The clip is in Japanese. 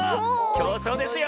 きょうそうですよ！